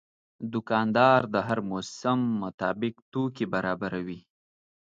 دوکاندار د هر موسم مطابق توکي برابروي.